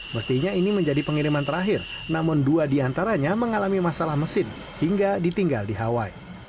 mestinya ini menjadi pengiriman terakhir namun dua diantaranya mengalami masalah mesin hingga ditinggal di hawaii